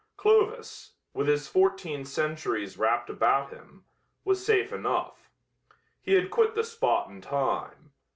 Clovis, with his fourteen centuries wrapped about him, was safe enough. He had quit the spot in time.